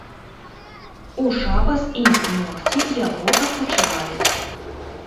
У шабас і ногці яго адпачываюць.